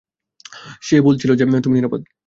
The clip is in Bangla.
সে বলেছিল যে, তুমি নিরাপদ।